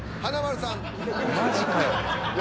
マジかよ。